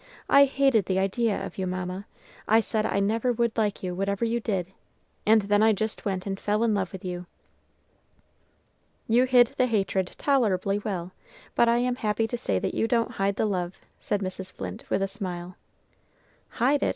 "I hated the idea of you, Mamma. I said I never would like you, whatever you did; and then I just went and fell in love with you!" "You hid the hatred tolerably well, but I am happy to say that you don't hide the love," said Mrs. Flint, with a smile. "Hide it?